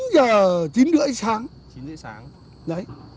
chín giờ chín đưỡng sáng